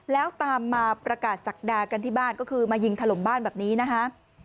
แล้วตามมาประกาศศักดากันที่บ้านก็คือมายิงถล่มบ้านแบบนี้นะคะ